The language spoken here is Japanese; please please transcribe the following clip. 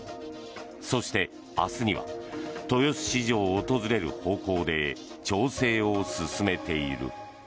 そして、明日には豊洲市場を訪れる方向で調整を進めている。